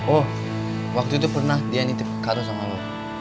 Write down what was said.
oh waktu itu pernah dia nitip kato sama lo